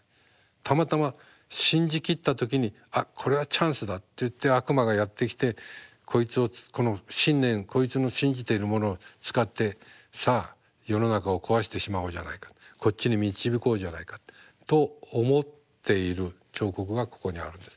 たまたま信じきった時に「あっこれはチャンスだ」といって悪魔がやって来てこいつをこの信念こいつの信じているものを使ってさあ世の中を壊してしまおうじゃないかこっちに導こうじゃないかと思っている彫刻がここにあるんです。